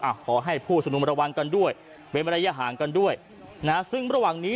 ขอให้ผู้ชุมนุมระวังกันด้วยเป็นระยะห่างกันด้วยนะซึ่งระหว่างนี้